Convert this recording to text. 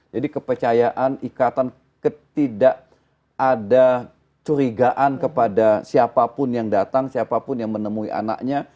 jadi kepercayaan ikatan tidak ada curigaan kepada siapapun yang datang siapapun yang menemui anak